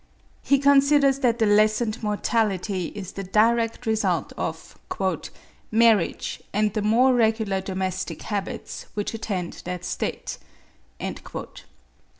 He considers that the lessened mortality is the direct result of "marriage, and the more regular domestic habits which attend that state."